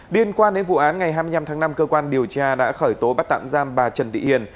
liên quan đến vụ án ngày hai mươi năm tháng năm cơ quan điều tra đã khởi tố bắt tạm giam bà trần thị hiền